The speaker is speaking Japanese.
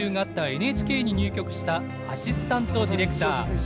ＮＨＫに入局したアシスタントディレクター。